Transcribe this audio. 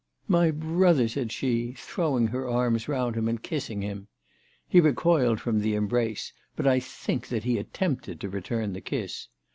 " My brother," said s]j.e, throwing her arms round him and kissing him. He recoiled from the embrace, but I think that he attempted to return the kiss.